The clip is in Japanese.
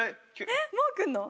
えっもう来んの？